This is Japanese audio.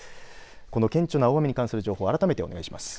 この顕著な大雨に関する情報改めてお願いします。